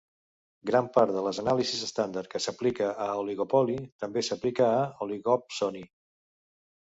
Gran part de les anàlisis estàndard que s'aplica a oligopoli també s'aplica a oligopsoni.